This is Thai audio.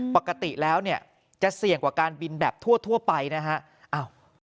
ปกติแล้วเนี่ยจะเสี่ยงกว่าการบินแบบทั่วไปนะฮะ